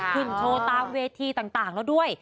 โชว์ตามเวทีต่างแล้วด้วย